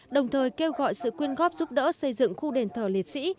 đồng thời kêu gọi sự quyên góp giúp đỡ xây dựng khu đền thờ liệt sĩ